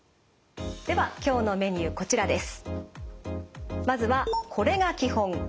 では今日のメニューこちらです。